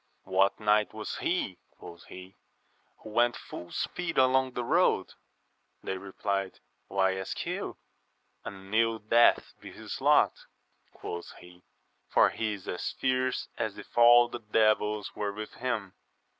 What knight was he, quoth he, who went full speed along the road ? They repUed, why ask you ? An ill death be his lot, quoth he, for he is as fierce as if all the devils were with him.